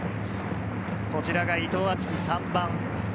こちらが伊藤敦樹、３番。